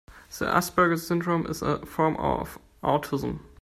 The Asperger syndrome is a form of autism.